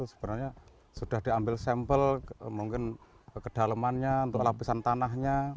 sebenarnya sudah diambil sampel mungkin kedalemannya lapisan tanahnya